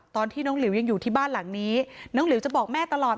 ตอนที่น้องหลิวยังอยู่ที่บ้านหลังนี้น้องหลิวจะบอกแม่ตลอด